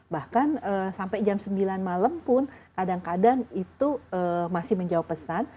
bahkan sampai jam sembilan malam pun kadang kadang itu masih menjawab pesan